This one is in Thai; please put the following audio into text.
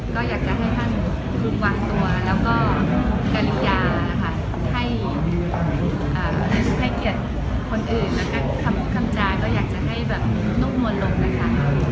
ก็อยากจะให้ท่านถูกวางตัวแล้วก็กริยานะคะให้เกียรติคนอื่นแล้วก็คำพูดคำจาก็อยากจะให้แบบนุ่มนวลลงนะคะ